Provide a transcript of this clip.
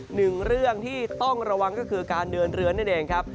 หนึ่งเรื่องที่ต้องระวังก็คือการเดินเรือนั่นเองครับ